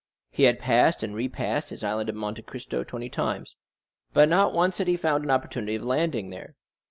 He had passed and re passed his Island of Monte Cristo twenty times, but not once had he found an opportunity of landing there.